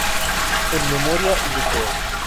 En "Memoria y deseo.